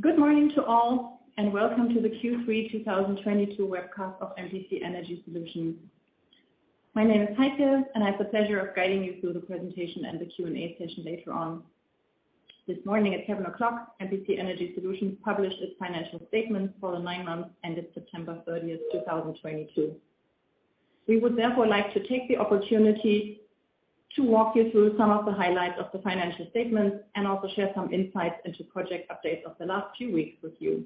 Good morning to all and welcome to the Q3 2022 Webcast of MPC Energy Solutions. My name is Heike, and I have the pleasure of guiding you through the presentation and the Q&A session later on. This morning at 7:00 A.M., MPC Energy Solutions published its financial statements for the nine months ended September 30, 2022. We would therefore like to take the opportunity to walk you through some of the highlights of the financial statements and also share some insights into project updates of the last few weeks with you.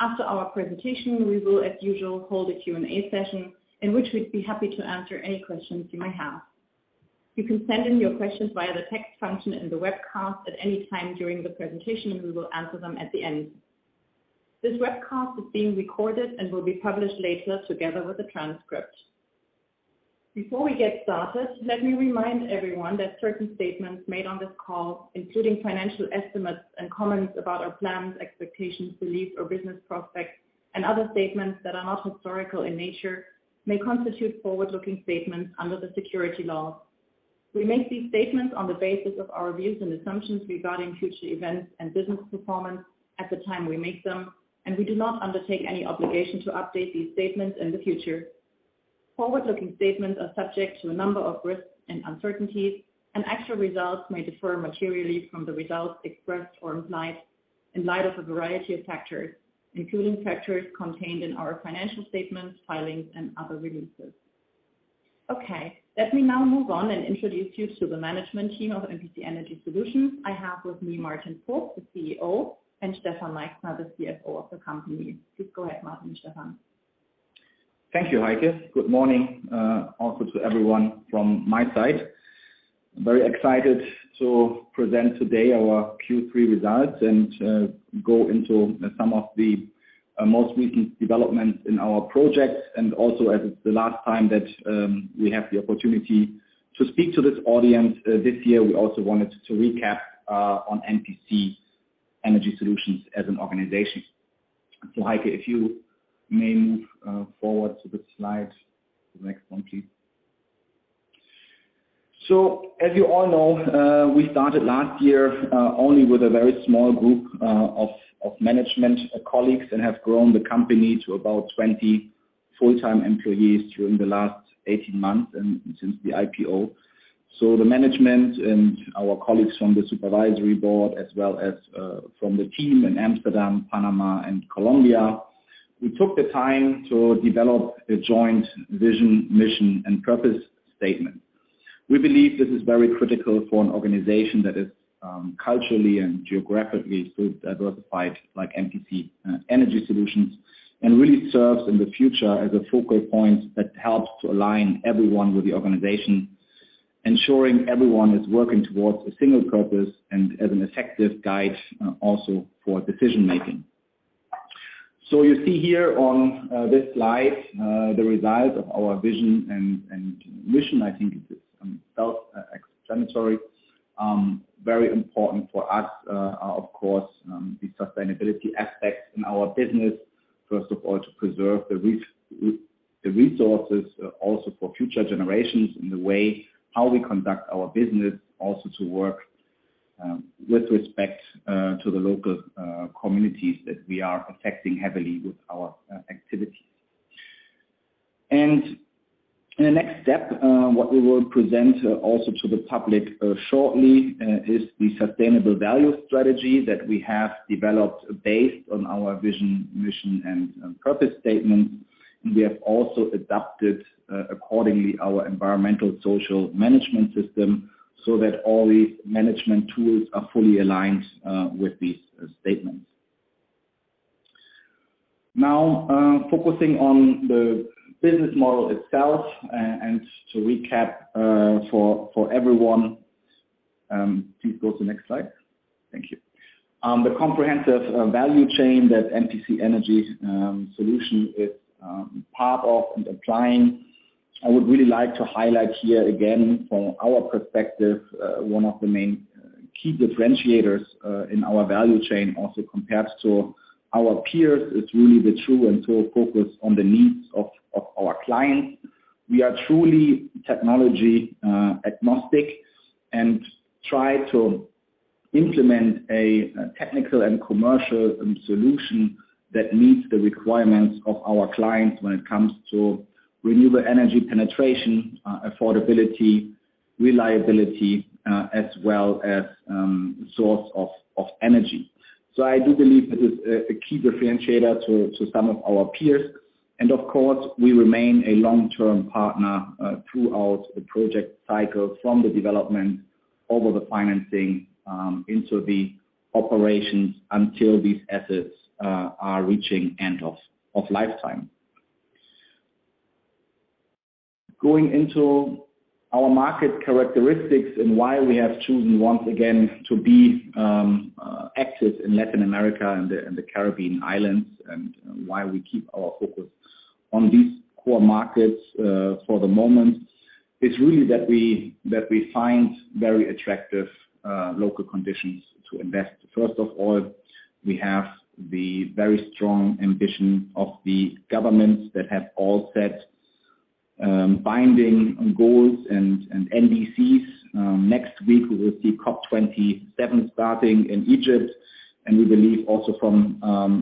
After our presentation, we will, as usual, hold a Q&A session in which we'd be happy to answer any questions you may have. You can send in your questions via the text function in the webcast at any time during the presentation, and we will answer them at the end. This webcast is being recorded and will be published later together with the transcript. Before we get started, let me remind everyone that certain statements made on this call, including financial estimates and comments about our plans, expectations, beliefs or business prospects, and other statements that are not historical in nature, may constitute forward-looking statements under the securities laws. We make these statements on the basis of our views and assumptions regarding future events and business performance at the time we make them, and we do not undertake any obligation to update these statements in the future. Forward-looking statements are subject to a number of risks and uncertainties, and actual results may differ materially from the results expressed or implied in light of a variety of factors, including factors contained in our financial statements, filings and other releases. Okay. Let me now move on and introduce you to the management team of MPC Energy Solutions. I have with me Martin Vogt, the CEO, and Stefan Meichsner, the CFO of the company. Please go ahead, Martin and Stefan. Thank you, Heike. Good morning, also to everyone from my side. Very excited to present today our Q3 results and go into some of the most recent developments in our projects. Also as it's the last time that we have the opportunity to speak to this audience this year, we also wanted to recap on MPC Energy Solutions as an organization. Heike, if you may move forward to the slide. The next one, please. As you all know, we started last year only with a very small group of management colleagues and have grown the company to about 20 full-time employees during the last 18 months and since the IPO. The management and our colleagues from the supervisory board as well as from the team in Amsterdam, Panama and Colombia, we took the time to develop a joint vision, mission, and purpose statement. We believe this is very critical for an organization that is culturally and geographically so diversified like MPC Energy Solutions, and really serves in the future as a focal point that helps to align everyone with the organization, ensuring everyone is working towards a single purpose and as an effective guide also for decision-making. You see here on this slide the results of our vision and mission. I think it is self-explanatory. Very important for us, of course, the sustainability aspects in our business. First of all, to preserve the resources, also for future generations in the way how we conduct our business, also to work with respect to the local communities that we are affecting heavily with our activities. The next step what we will present also to the public shortly is the sustainable value strategy that we have developed based on our vision, mission and purpose statement. We have also adapted accordingly our environmental social management system so that all these management tools are fully aligned with these statements. Now, focusing on the business model itself, and to recap for everyone. Please go to the next slide. Thank you. The comprehensive value chain that MPC Energy Solutions is part of and applying. I would really like to highlight here again from our perspective, one of the main key differentiators in our value chain also compared to our peers, is really the true and total focus on the needs of our clients. We are truly technology agnostic and try to implement a technical and commercial solution that meets the requirements of our clients when it comes to renewable energy penetration, affordability, reliability, as well as source of energy. I do believe this is a key differentiator to some of our peers. Of course, we remain a long-term partner throughout the project cycle from the development over the financing into the operations until these assets are reaching end of lifetime. Going into our market characteristics and why we have chosen once again to be active in Latin America and the Caribbean Islands, and why we keep our focus on these core markets for the moment. It's really that we find very attractive local conditions to invest. First of all, we have the very strong ambition of the governments that have all set binding own goals and NDCs. Next week we will see COP27 starting in Egypt, and we believe also from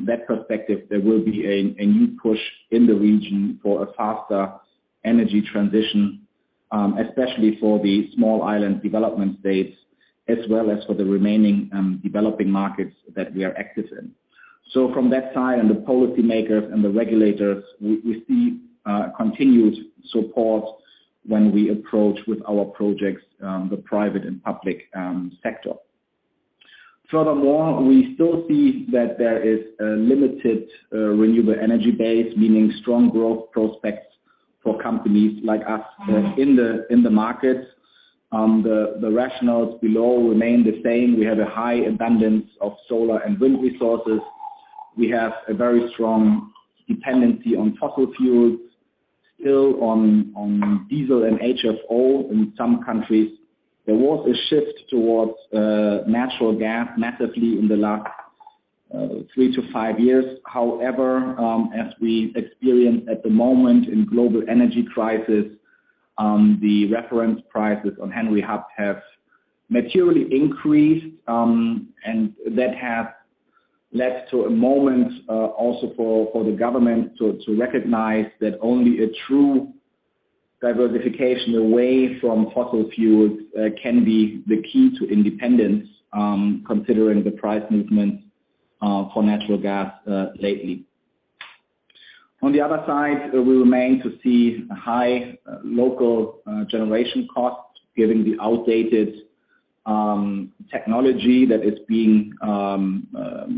that perspective, there will be a new push in the region for a faster energy transition, especially for the Small Island Developing States, as well as for the remaining developing markets that we are active in. From that side and the policymakers and the regulators, we see continued support when we approach with our projects, the private and public sector. Furthermore, we still see that there is a limited renewable energy base, meaning strong growth prospects for companies like us in the markets. The rationales below remain the same. We have a high abundance of solar and wind resources. We have a very strong dependency on fossil fuels, still on diesel and HFO in some countries. There was a shift towards natural gas massively in the last three to five years. However, as we experience at the moment in global energy crisis, the reference prices on Henry Hub have materially increased, and that have led to a moment also for the government to recognize that only a true diversification away from fossil fuels can be the key to independence, considering the price movement for natural gas lately. On the other side, we remain to see high local generation costs given the outdated technology that is being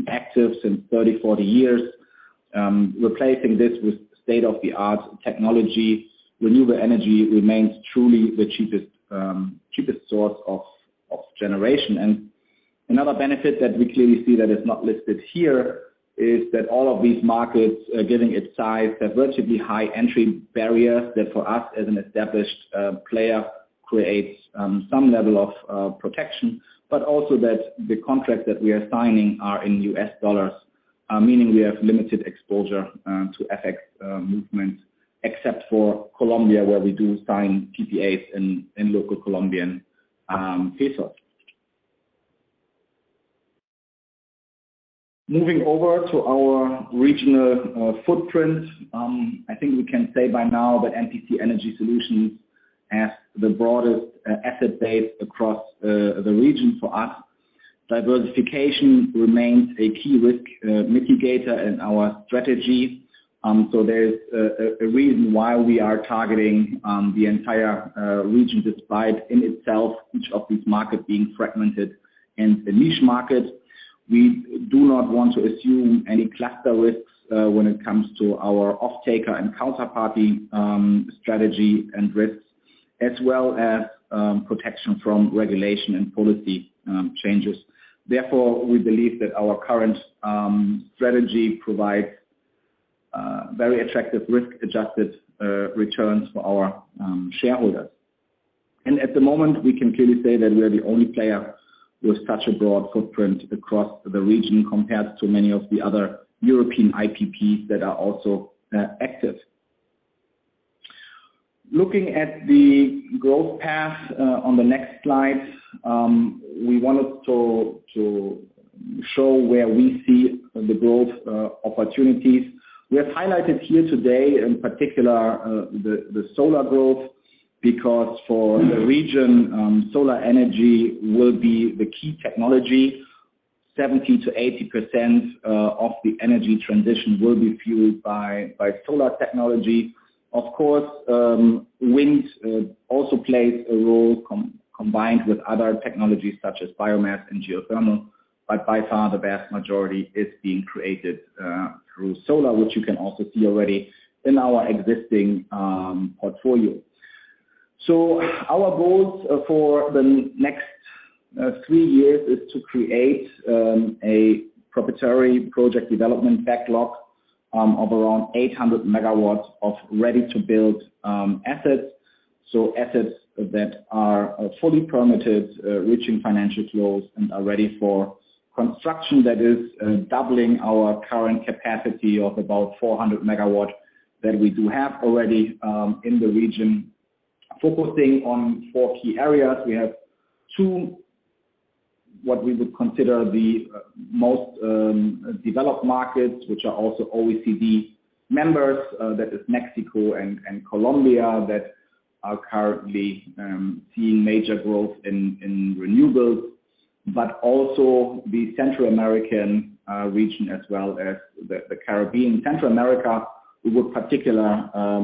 active since 30-40 years. Replacing this with state-of-the-art technology, renewable energy remains truly the cheapest source of generation. Another benefit that we clearly see that is not listed here is that all of these markets are giving its size a virtually high entry barrier that for us as an established player creates some level of protection, but also that the contracts that we are signing are in U.S. dollars, meaning we have limited exposure to FX movement, except for Colombia where we do sign PPAs in local Colombian peso. Moving over to our regional footprint. I think we can say by now that MPC Energy Solutions has the broadest asset base across the region for us. Diversification remains a key risk mitigator in our strategy. There's a reason why we are targeting the entire region, despite in itself each of these markets being fragmented in the niche market. We do not want to assume any cluster risks, when it comes to our off-taker and counterparty strategy and risks, as well as protection from regulation and policy changes. Therefore, we believe that our current strategy provides very attractive risk-adjusted returns for our shareholders. At the moment, we can clearly say that we are the only player with such a broad footprint across the region compared to many of the other European IPPs that are also active. Looking at the growth path on the next slide, we wanted to show where we see the growth opportunities. We have highlighted here today, in particular, the solar growth, because for the region, solar energy will be the key technology. 70%-80% of the energy transition will be fueled by solar technology. Of course, wind also plays a role combined with other technologies such as biomass and geothermal, but by far the vast majority is being created through solar, which you can also see already in our existing portfolio. Our goals for the next three years is to create a proprietary project development backlog of around 800 MW of ready-to-build assets. Assets that are fully permitted, reaching financial close and are ready for construction that is doubling our current capacity of about 400 MW that we do have already in the region. Focusing on four key areas. We have two, what we would consider the most developed markets, which are also OECD members, that is Mexico and Colombia that are currently seeing major growth in renewables, but also the Central American region as well as the Caribbean. Central America, we would particularly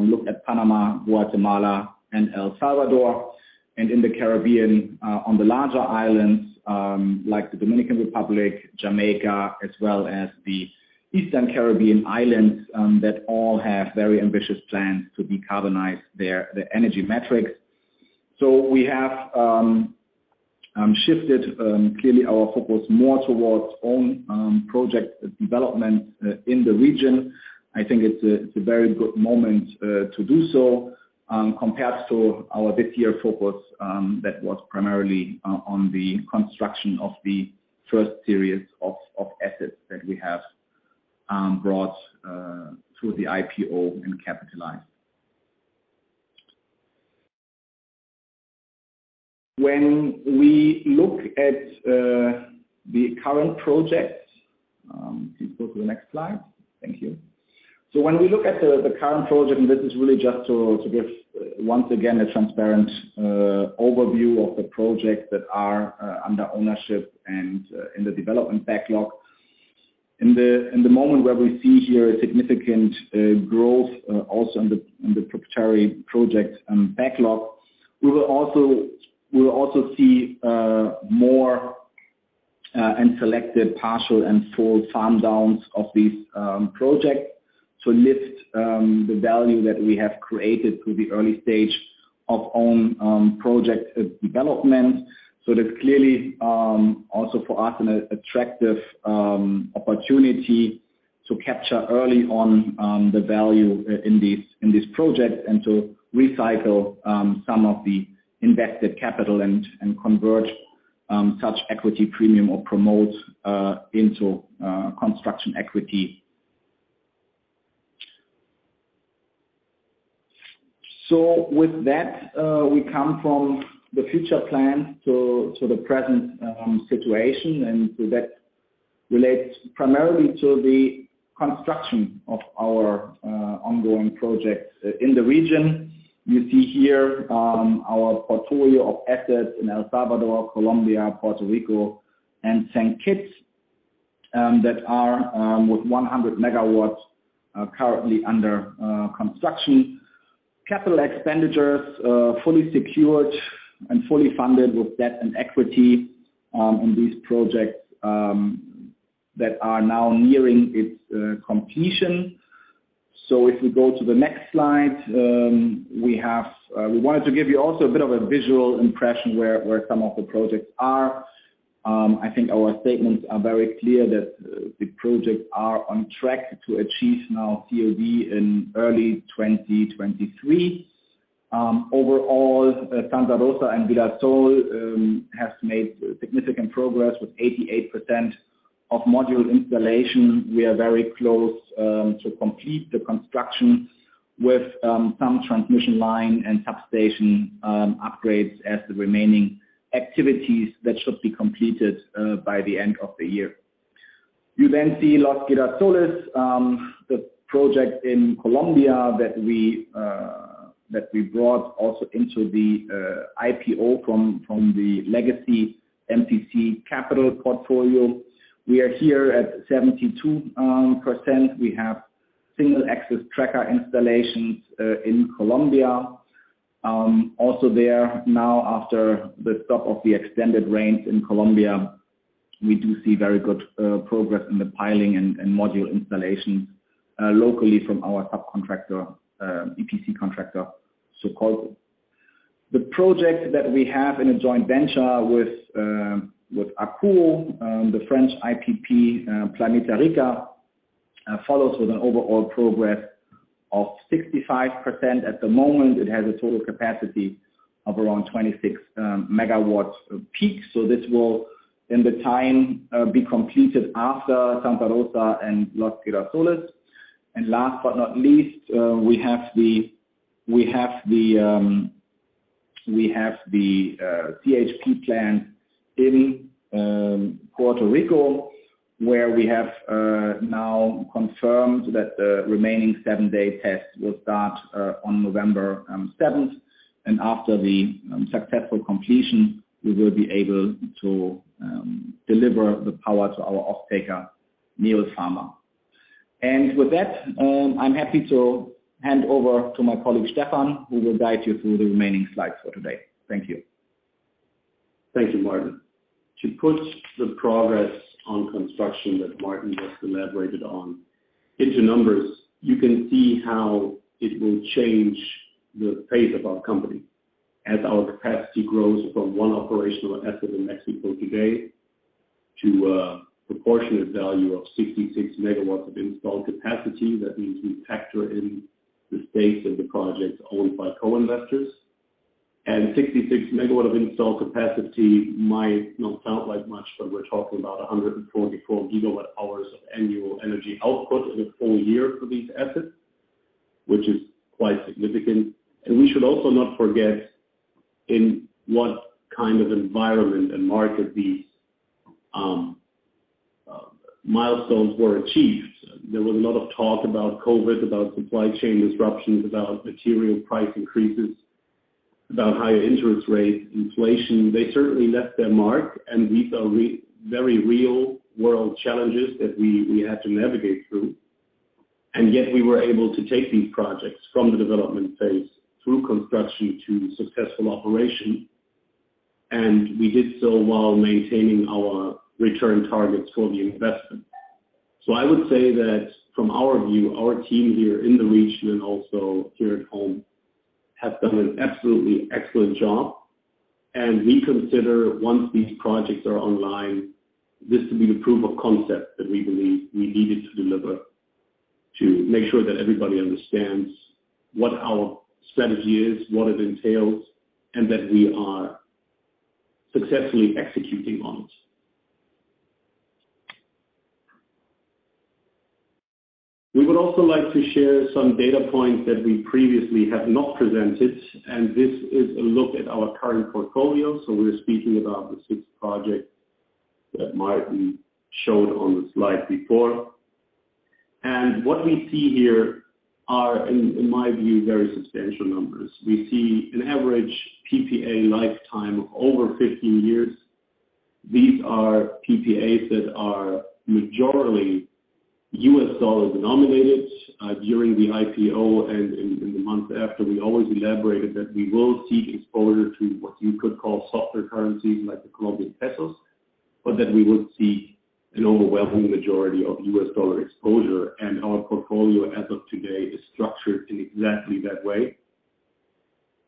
look at Panama, Guatemala, and El Salvador, and in the Caribbean, on the larger islands, like the Dominican Republic, Jamaica, as well as the Eastern Caribbean islands, that all have very ambitious plans to decarbonize their energy metrics. We have clearly shifted our focus more towards own project development in the region. I think it's a very good moment to do so, compared to our this year focus that was primarily on the construction of the first series of assets that we brought through the IPO and capitalized. When we look at the current projects. Please go to the next slide. Thank you. When we look at the current project, and this is really just to give once again a transparent overview of the projects that are under ownership and in the development backlog. In the moment where we see here a significant growth also in the proprietary project and backlog, we will also see more and selected partial and full farm-downs of these projects to lift the value that we have created through the early stage of own project development. That's clearly also for us an attractive opportunity to capture early on the value in these projects and to recycle some of the invested capital and convert such equity premium or promote into construction equity. With that, we come from the future plan to the present situation, and that relates primarily to the construction of our ongoing projects in the region. You see here, our portfolio of assets in El Salvador, Colombia, Puerto Rico and St. Kitts, that are with 100 MW currently under construction. Capital expenditures fully secured and fully funded with debt and equity in these projects that are now nearing its completion. If we go to the next slide, we wanted to give you also a bit of a visual impression where some of the projects are. I think our statements are very clear that the projects are on track to achieve now COD in early 2023. Overall, Santa Rosa and Villa Sol have made significant progress with 88% of module installation. We are very close to complete the construction with some transmission line and substation upgrades as the remaining activities that should be completed by the end of the year. You then see Los Girasoles, the project in Colombia that we brought also into the IPO from the legacy MPC Capital portfolio. We are here at 72%. We have single-axis tracker installations in Colombia. Also there now after the stop of the extended rains in Colombia, we do see very good progress in the piling and module installations locally from our subcontractor EPC contractor, Solarpack. The project that we have in a joint venture with Akuo, the French IPP, Planeta Rica, follows with an overall progress of 65%. At the moment, it has a total capacity of around 26 megawatts peak. This will in the time be completed after Santa Rosa and Los Girasoles. Last but not least, we have the CHP plant in Puerto Rico, where we have now confirmed that the remaining seven-day test will start on November seventh. After the successful completion, we will be able to deliver the power to our off-taker, Neopharma. With that, I'm happy to hand over to my colleague, Stefan, who will guide you through the remaining slides for today. Thank you. Thank you, Martin. To put the progress on construction that Martin just elaborated on into numbers, you can see how it will change the face of our company as our capacity grows from one operational asset in Mexico today to a proportionate value of 66 MW of installed capacity. That means we factor in the stakes of the projects owned by co-investors. 66 MW of installed capacity might not sound like much, but we're talking about 144 GWh of annual energy output in a full year for these assets, which is quite significant. We should also not forget in what kind of environment and market these milestones were achieved. There was a lot of talk about COVID, about supply chain disruptions, about material price increases, about higher interest rates, inflation. They certainly left their mark, and these are very real world challenges that we had to navigate through. Yet we were able to take these projects from the development phase through construction to successful operation, and we did so while maintaining our return targets for the investment. I would say that from our view, our team here in the region and also here at home have done an absolutely excellent job, and we consider once these projects are online, this to be the proof of concept that we believe we needed to deliver to make sure that everybody understands what our strategy is, what it entails, and that we are successfully executing on it. We would also like to share some data points that we previously have not presented, and this is a look at our current portfolio. We're speaking about the six projects that Martin showed on the slide before. What we see here are, in my view, very substantial numbers. We see an average PPA lifetime of over 15 years. These are PPAs that are majorly US dollar denominated. During the IPO and the months after, we always elaborated that we will seek exposure to what you could call softer currencies, like the Colombian pesos, but that we would see an overwhelming majority of US dollar exposure. Our portfolio as of today is structured in exactly that way.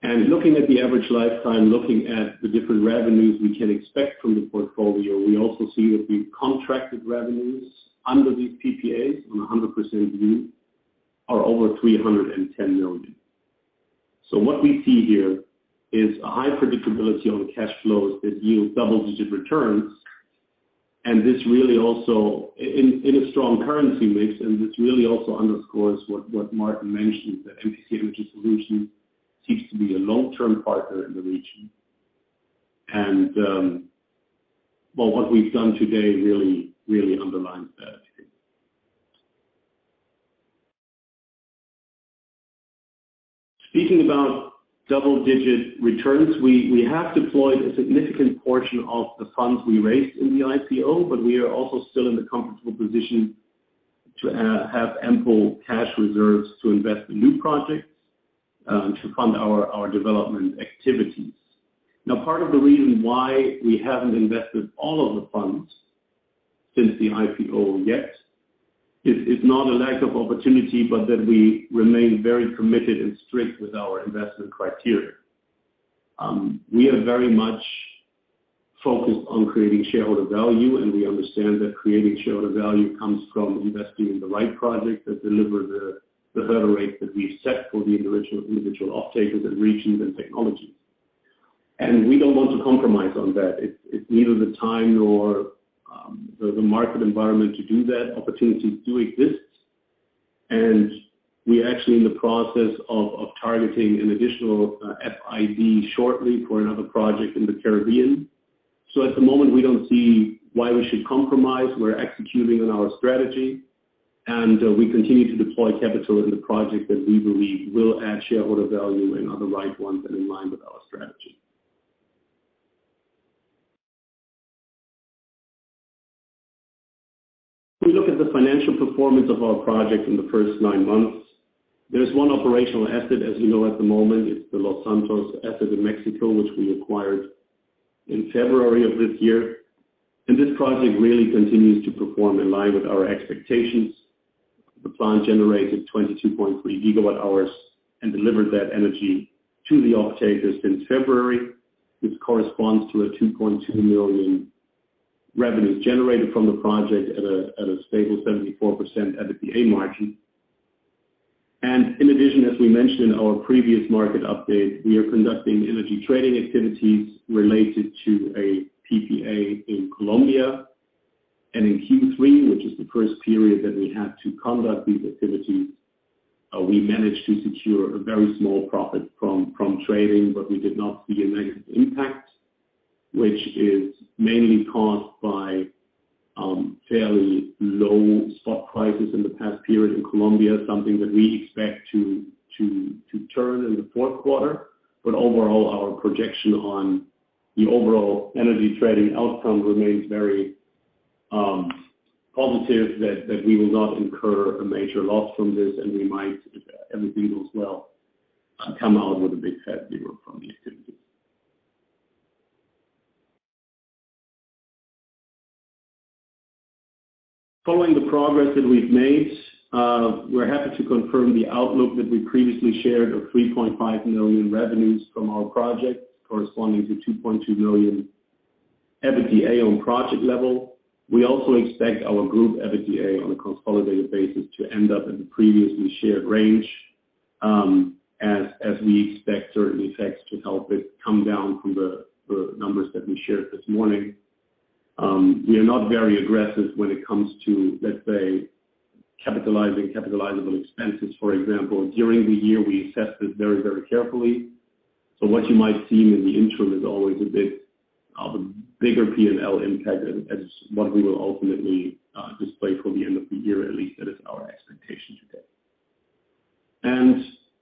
Looking at the average lifetime, looking at the different revenues we can expect from the portfolio, we also see that the contracted revenues under these PPAs on a 100% view are over $310 million. What we see here is a high predictability on cash flows that yield double-digit returns. This really also in a strong currency mix, and this underscores what Martin mentioned, that MPC Energy Solutions seeks to be a long-term partner in the region. What we've done today really underlines that. Speaking about double-digit returns, we have deployed a significant portion of the funds we raised in the IPO, but we are also still in the comfortable position to have ample cash reserves to invest in new projects to fund our development activities. Now, part of the reason why we haven't invested all of the funds since the IPO yet is not a lack of opportunity, but that we remain very committed and strict with our investment criteria. We are very much focused on creating shareholder value, and we understand that creating shareholder value comes from investing in the right projects that deliver the hurdle rates that we've set for the individual off-takers and regions and technologies. We don't want to compromise on that. It's neither the time nor the market environment to do that. Opportunities do exist, and we are actually in the process of targeting an additional FID shortly for another project in the Caribbean. At the moment, we don't see why we should compromise. We're executing on our strategy, and we continue to deploy capital in the projects that we believe will add shareholder value and are the right ones and in line with our strategy. If we look at the financial performance of our projects in the first nine months, there is one operational asset, as you know, at the moment. It's the Los Santos asset in Mexico, which we acquired in February of this year. This project really continues to perform in line with our expectations. The plant generated 22.3 GWh and delivered that energy to the off-takers since February, which corresponds to $2.2 million revenues generated from the project at a stable 74% EBITDA margin. In addition, as we mentioned in our previous market update, we are conducting energy trading activities related to a PPA in Colombia. In Q3, which is the first period that we had to conduct these activities, we managed to secure a very small profit from trading, but we did not see a negative impact, which is mainly caused by fairly low spot prices in the past period in Colombia, something that we expect to turn in the Q4. Overall, our projection on the overall energy trading outcome remains very positive that we will not incur a major loss from this, and we might everything goes well come out with a big fat zero from the activity. Following the progress that we've made, we're happy to confirm the outlook that we previously shared of $3.5 million revenues from our projects, corresponding to $2.2 million EBITDA on project level. We also expect our group EBITDA on a consolidated basis to end up in the previously shared range, as we expect certain effects to help it come down from the numbers that we shared this morning. We are not very aggressive when it comes to, let's say, capitalizing capitalizable expenses, for example. During the year, we assessed it very carefully. What you might see in the interim is always a bit of a bigger P&L impact as what we will ultimately display for the end of the year. At least, that is our expectation today.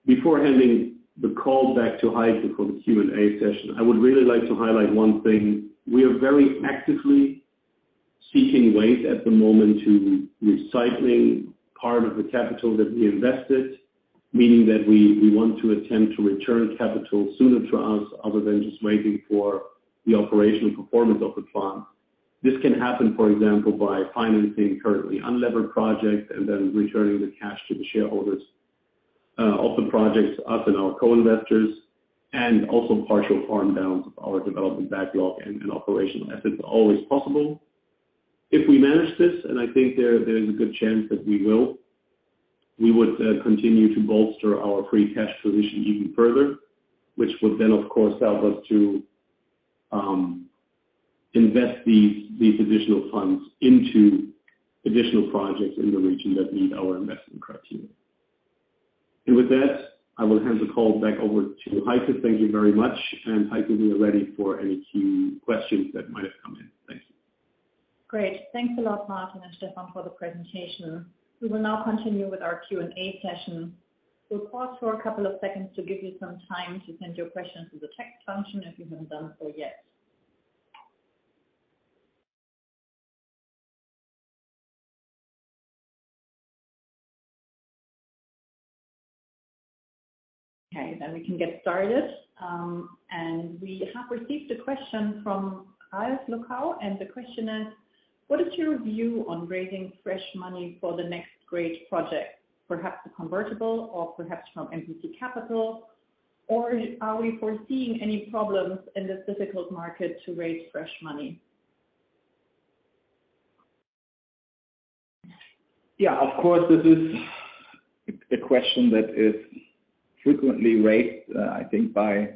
Before handing the call back to Heike for the Q&A session, I would really like to highlight one thing. We are very actively seeking ways at the moment to recycle part of the capital that we invested, meaning that we want to attempt to return capital sooner for us, other than just waiting for the operational performance of the plant. This can happen, for example, by financing currently unlevered projects and then returning the cash to the shareholders of the projects, us and our co-investors, and also partial farm-downs of our development backlog and operational assets are always possible. If we manage this, and I think there is a good chance that we will We would continue to bolster our free cash position even further, which would then, of course, help us to invest these additional funds into additional projects in the region that meet our investment criteria. With that, I will hand the call back over to Heike. Thank you very much. Heike, we are ready for any key questions that might have come in. Thanks. Great. Thanks a lot, Martin and Stefan, for the presentation. We will now continue with our Q&A session. We'll pause for a couple of seconds to give you some time to send your questions in the text function if you haven't done so yet. Okay, we can get started. We have received a question from Kyle Locow. The question is: what is your view on raising fresh money for the next great project? Perhaps a convertible or perhaps from MPC Capital, or are we foreseeing any problems in this difficult market to raise fresh money? Yeah, of course, this is a question that is frequently raised, I think by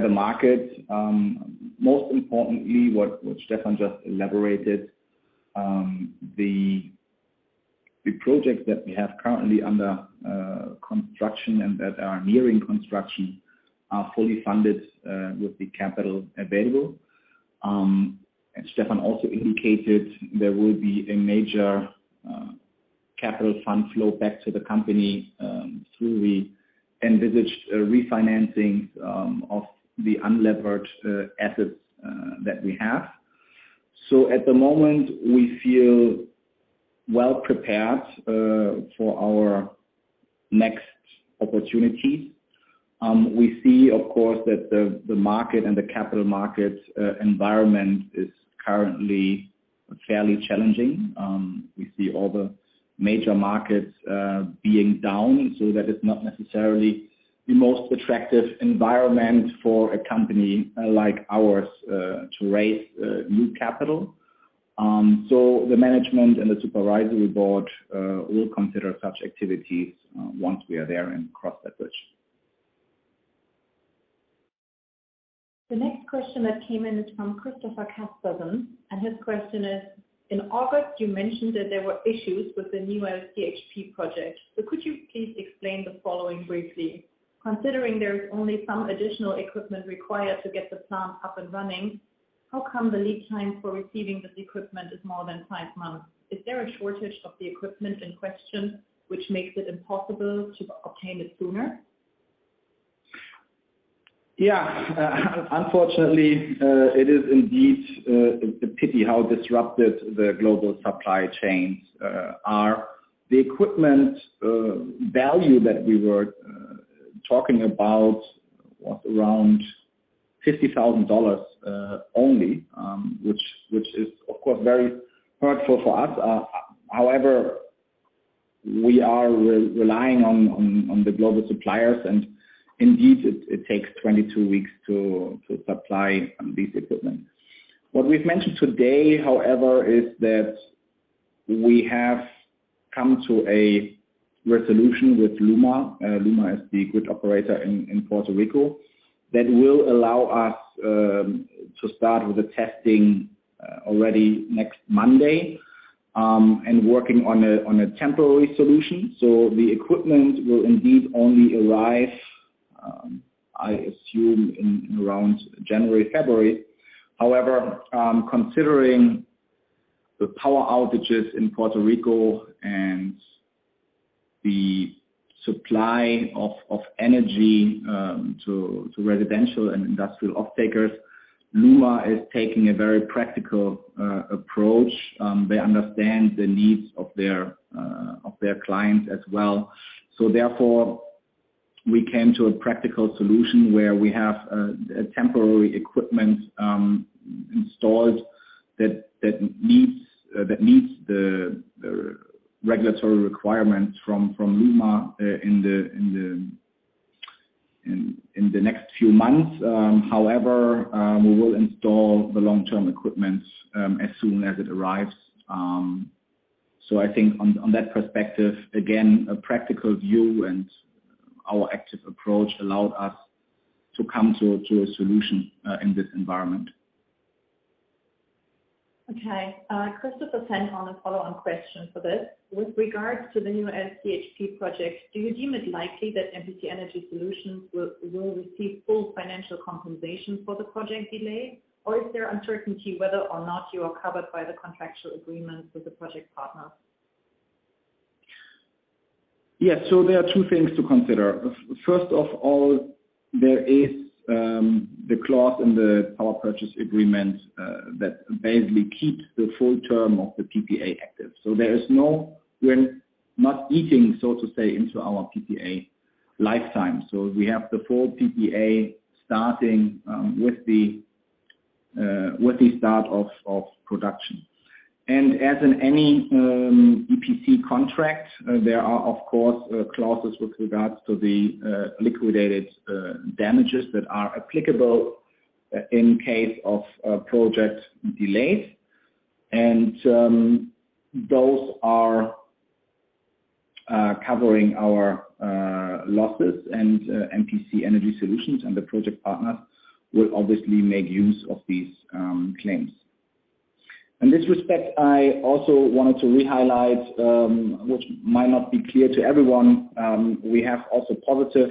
the market. Most importantly, what Stefan just elaborated, the projects that we have currently under construction and that are nearing construction are fully funded with the capital available. Stefan also indicated there will be a major capital fund flow back to the company through the envisaged refinancing of the unlevered assets that we have. At the moment, we feel well prepared for our next opportunity. We see, of course, that the market and the capital market environment is currently fairly challenging. We see all the major markets being down, so that is not necessarily the most attractive environment for a company like ours to raise new capital. The management and the supervisory board will consider such activities once we are there and cross that bridge. The next question that came in is from Christopher Castenson, and his question is: In August, you mentioned that there were issues with the new CHP project. Could you please explain the following briefly? Considering there is only some additional equipment required to get the plant up and running, how come the lead time for receiving this equipment is more than five months? Is there a shortage of the equipment in question which makes it impossible to obtain it sooner? Yeah. Unfortunately, it is indeed a pity how disrupted the global supply chains are. The equipment value that we were talking about was around $50,000 only, which is of course very hurtful for us. However, we are relying on the global suppliers, and indeed it takes 22 weeks to supply this equipment. What we've mentioned today, however, is that we have come to a resolution with LUMA. LUMA is the grid operator in Puerto Rico that will allow us to start with the testing already next Monday, and working on a temporary solution. The equipment will indeed only arrive, I assume in around January, February. However, considering the power outages in Puerto Rico and the supply of energy to residential and industrial off-takers, LUMA is taking a very practical approach. They understand the needs of their clients as well. Therefore, we came to a practical solution where we have a temporary equipment installed that meets the regulatory requirements from LUMA in the next few months. However, we will install the long-term equipment as soon as it arrives. I think on that perspective, again, a practical view and our active approach allowed us to come to a solution in this environment. Christopher Castenson sent on a follow-on question for this. With regards to the new CHP project, do you deem it likely that MPC Energy Solutions will receive full financial compensation for the project delay? Or is there uncertainty whether or not you are covered by the contractual agreement with the project partner? Yes. There are two things to consider. First of all, there is the clause in the power purchase agreement that basically keeps the full-term of the PPA active. We're not eating, so to say, into our PPA lifetime. We have the full PPA starting with the start of production. As in any EPC contract, there are of course clauses with regards to the liquidated damages that are applicable in case of project delays. Those are covering our losses and MPC Energy Solutions and the project partner will obviously make use of these claims. In this respect, I also wanted to re-highlight which might not be clear to everyone, we have also positive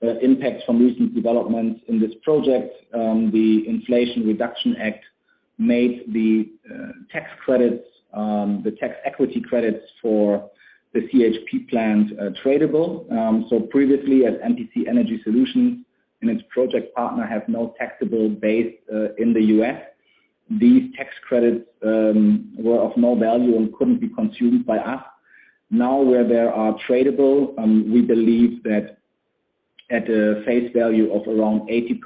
impacts from recent developments in this project. The Inflation Reduction Act made the tax credits, the tax equity credits for the CHP plant tradable. Previously, as MPC Energy Solutions and its project partner have no taxable base in the U.S., these tax credits were of no value and couldn't be consumed by us. Now, where they are tradable, we believe that at a face value of around 80%,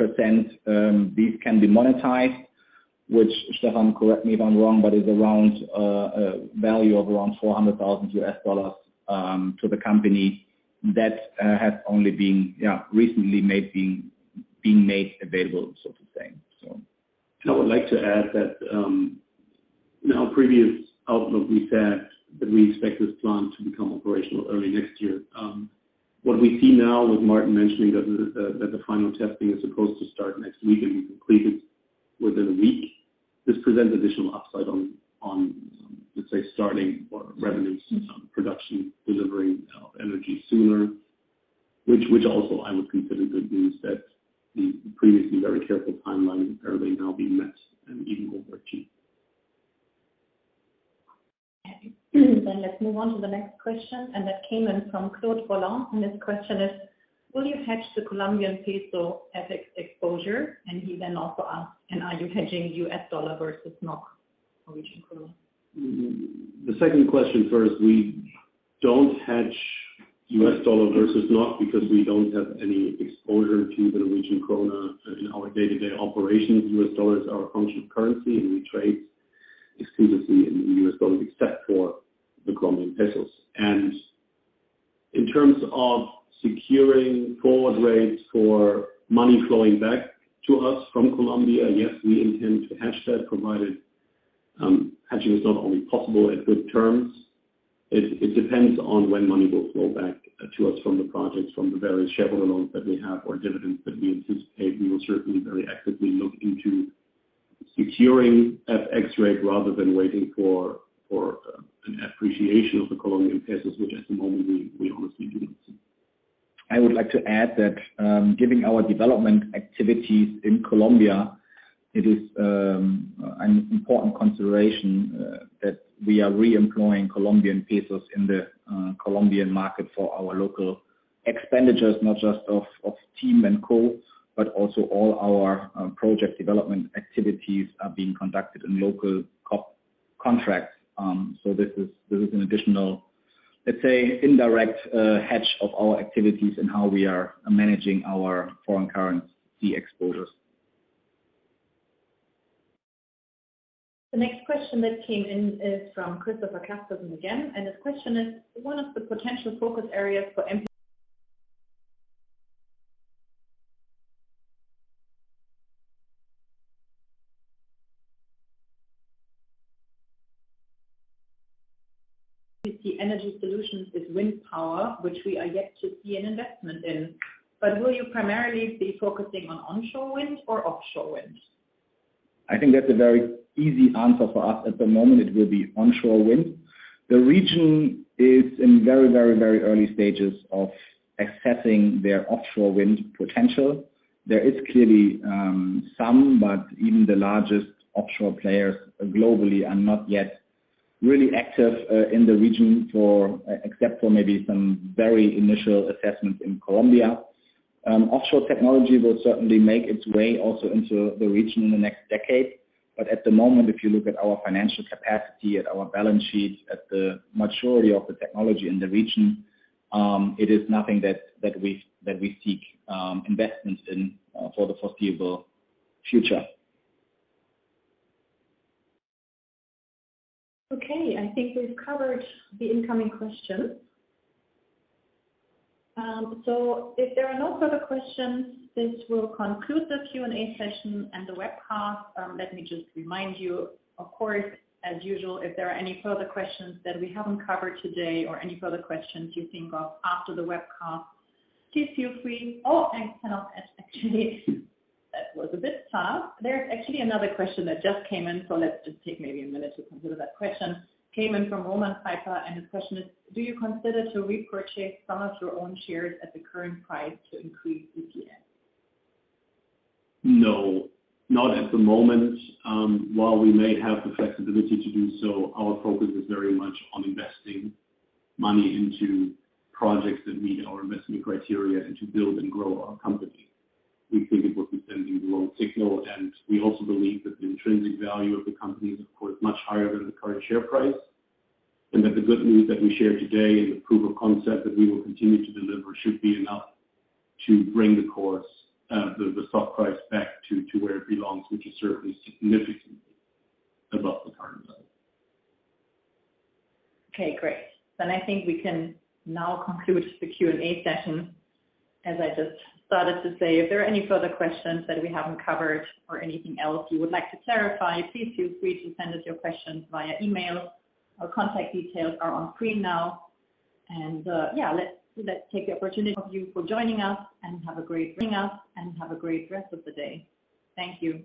these can be monetized, which Stefan, correct me if I'm wrong, but is around a value of around $400,000 to the company that has only been recently made available sort of thing. I would like to add that in our previous outlook, we said that we expect this plant to become operational early next year. What we see now with Martin mentioning that the final testing is supposed to start next week and be completed within a week, this presents additional upside on, let's say, starting or revenues, production, delivering of energy sooner, which also I would consider good news that the previously very careful timeline is apparently now being met and even overachieved. Let's move on to the next question, and that came in from Claude Boland. His question is: Will you hedge the Colombian peso FX exposure? He then also asks: And are you hedging US dollar versus NOK Norwegian krone? The second question first. We don't hedge US dollar versus NOK because we don't have any exposure to the Norwegian krone in our day-to-day operations. US dollars are our functional currency, and we trade exclusively in US dollars, except for the Colombian pesos. In terms of securing forward rates for money flowing back to us from Colombia, yes, we intend to hedge that provided hedging is not only possible at good terms. It depends on when money will flow back to us from the projects, from the various shareholder loans that we have or dividends that we anticipate. We will certainly very actively look into securing FX rate rather than waiting for an appreciation of the Colombian pesos, which at the moment we honestly do not see. I would like to add that, given our development activities in Colombia, it is an important consideration that we are re-employing Colombian pesos in the Colombian market for our local expenditures, not just of team and co, but also all our project development activities are being conducted in local contracts. This is an additional, let's say, indirect hedge of our activities and how we are managing our foreign currency exposures. The next question that came in is from Christopher Castenson again. His question is: One of the potential focus areas for MPC Energy Solutions is wind power, which we are yet to see an investment in. Will you primarily be focusing on onshore wind or offshore wind? I think that's a very easy answer for us. At the moment, it will be onshore wind. The region is in very early stages of assessing their offshore wind potential. There is clearly some, but even the largest offshore players globally are not yet really active in the region except for maybe some very initial assessments in Colombia. Offshore technology will certainly make its way also into the region in the next decade. At the moment, if you look at our financial capacity, at our balance sheets, at the maturity of the technology in the region, it is nothing that we seek investments in for the foreseeable future. Okay. I think we've covered the incoming questions. If there are no further questions, this will conclude the Q&A session and the webcast. Let me just remind you, of course, as usual, if there are any further questions that we haven't covered today or any further questions you think of after the webcast, please feel free. Oh, actually that was a bit fast. There's actually another question that just came in, so let's just take maybe a minute to consider that question. Came in from Roman Piper, and his question is: Do you consider to repurchase some of your own shares at the current price to increase EPS? No, not at the moment. While we may have the flexibility to do so, our focus is very much on investing money into projects that meet our investment criteria and to build and grow our company. We think it would be sending the wrong signal, and we also believe that the intrinsic value of the company is, of course, much higher than the current share price, and that the good news that we share today and the proof of concept that we will continue to deliver should be enough to bring the stock price back to where it belongs, which is certainly significantly above the current level. Okay, great. I think we can now conclude the Q&A session. As I just started to say, if there are any further questions that we haven't covered or anything else you would like to clarify, please feel free to send us your questions via email. Our contact details are on screen now. Yeah, thank you for joining us, and have a great rest of the day. Thank you.